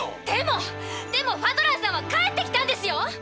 でもでもファドランさんは帰ってきたんですよ。